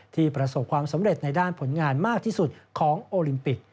ประสบความสำเร็จในด้านผลงานมากที่สุดของโอลิมปิก